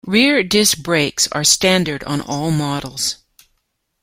Rear disc brakes are standard on all models.